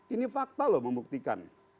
ini fakta loh membuktikan